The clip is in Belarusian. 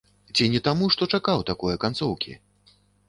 Ці не таму, што чакаў такое канцоўкі?